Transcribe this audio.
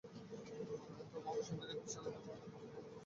তবে, মহাশূন্যের এই বিশাল তেপান্তরে যে কোনও কিছুই সম্ভব হতে পারে!